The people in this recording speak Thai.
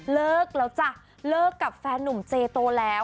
เลิกแล้วจ้ะเลิกกับแฟนนุ่มเจโตแล้ว